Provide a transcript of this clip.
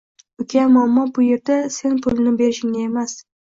Uka muammo bu yerda sen pulni berishingda emas